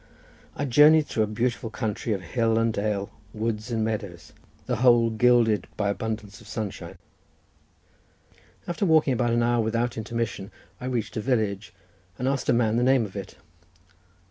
I journeyed through a beautiful country of hill and dale, woods and meadows, the whole gilded by abundance of sunshine. After walking about an hour without intermission I reached a village, and asked a man the name of it.